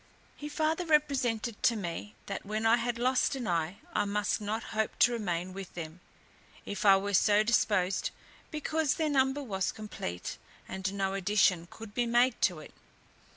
He farther represented to me, that when I had lost an eye I must not hope to remain with them, if I were so disposed, because their number was complete, and no addition could be made to it.